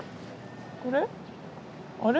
これ？